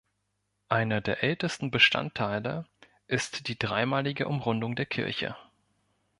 Einer der ältesten Bestandteile ist die dreimalige Umrundung der Kirche.